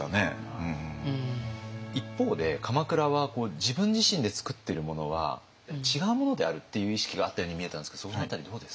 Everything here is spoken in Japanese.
一方で鎌倉は自分自身で作ってるものは違うものであるっていう意識があったように見えたんですけどその辺りどうですか？